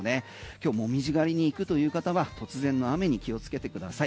今日、紅葉狩りに行くという方は突然の雨に気をつけてください。